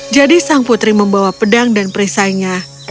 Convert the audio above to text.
jadi sang putri membawa pedang dan perisainya